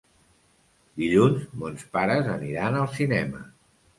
Dilluns mons pares aniran al cinema.